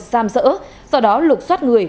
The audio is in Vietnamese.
xàm sỡ sau đó lục xoát người